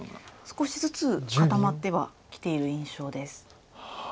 少しずつ固まってはきている印象です。